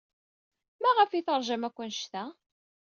Maɣef ay teṛjam akk anect-a?